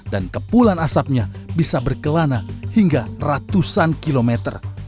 dan kepulan asapnya bisa berkelana hingga ratusan kilometer